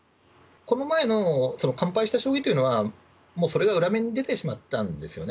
この前の完敗した将棋というのは、もうそれが裏目に出てしまったんですよね。